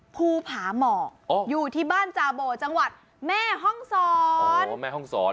ภูผามอกอยู่ที่บ้านจาโบจังหวัดแม่ห้องสอน